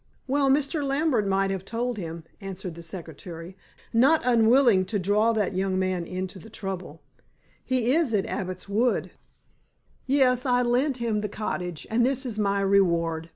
"Well, Mr. Lambert might have told him," answered the secretary, not unwilling to draw that young man into the trouble. "He is at Abbot's Wood." "Yes, I lent him the cottage, and this is my reward.